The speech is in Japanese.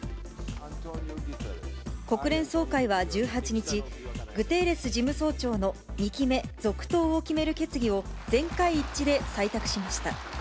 国連総会は１８日、グテーレス事務総長の２期目続投を決める決議を全会一致で採択しました。